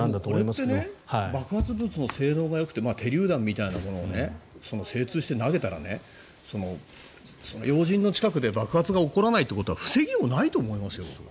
これって爆発物の性能がよくて手りゅう弾みたいなものを精通して投げたら要人の近くで爆発が起こらないということは防ぎようがないと思いますよ。